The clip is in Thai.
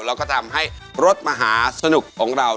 แล้วก็ทำให้รถมหาสนุกของเรา